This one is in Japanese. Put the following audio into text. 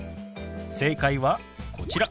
正解はこちら。